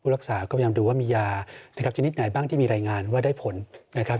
รักษาก็พยายามดูว่ามียานะครับชนิดไหนบ้างที่มีรายงานว่าได้ผลนะครับ